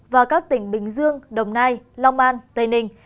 và các tỉnh bình dương đồng nai long an tây ninh